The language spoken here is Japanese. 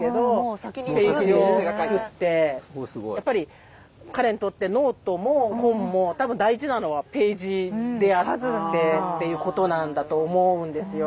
やっぱり彼にとってノートも本も多分大事なのはページであってっていうことなんだと思うんですよ。